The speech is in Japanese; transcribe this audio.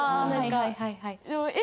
はいはいはいはい。